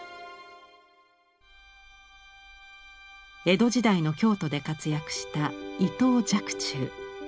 江戸時代の京都で活躍した伊藤若冲。